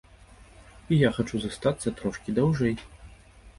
І я хачу застацца трошкі даўжэй.